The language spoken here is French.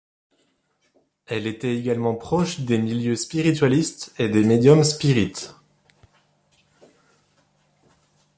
Elle était également proche des milieux spiritualistes et des médiums spirites.